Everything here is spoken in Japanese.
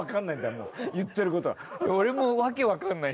もう言ってることが。